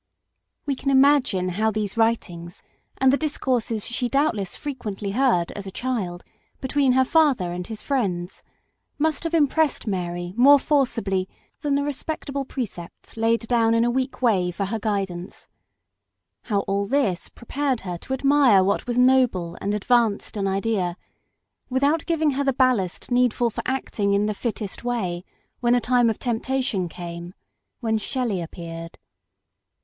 We can imagine how these writings, and the discourses she douhtless frequently heard, as a child, between her father and his friends, must have impressed Mary more forcibly than the respectable precepts laid down in a weak way for her guidance; how all this prepared her to admire what was noble and advanced in idea, without giving her the ballast needful for acting in the fittest way when a time of temptation came, when Shelley appeared.